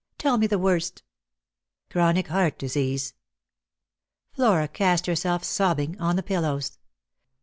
Tell me the worst." " Chronic heart disease." Flora cast herself, sobbing, on the pillows.